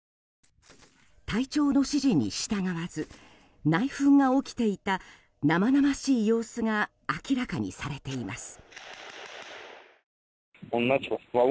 隊長の指示に従わず内紛が起きていた生々しい様子が明らかにされています。